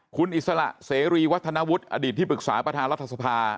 คุณอิสระเสรีวัฒนวุฒิอดีตที่ปรึกษาประธานรัฐสภา